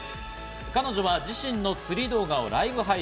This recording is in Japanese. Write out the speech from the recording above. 彼女は自身の釣り動画をライブ配信。